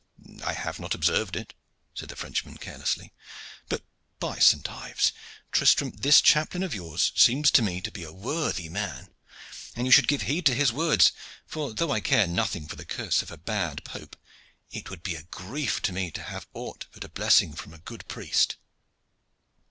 "I have not observed it," said the Frenchman carelessly. "But by Saint Ives! Tristram, this chaplain of yours seems to me to be a worthy man, and you should give heed to his words, for though I care nothing for the curse of a bad pope, it would be a grief to me to have aught but a blessing from a good priest."